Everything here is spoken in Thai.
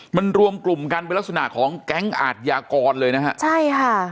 มันรวมกลุ่มกันเป็นลักษณะของแก๊งอาทยากรเลยนะฮะใช่ค่ะ